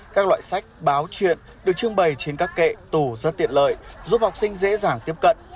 các loại sách báo chuyện được trưng bày trên các kệ tủ rất tiện lợi giúp học sinh dễ dàng tiếp cận